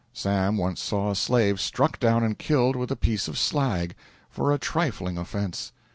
Sam once saw a slave struck down and killed with a piece of slag, for a trifling offense.